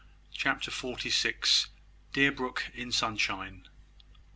CHAPTER FORTY SIX. DEERBROOK IN SUNSHINE.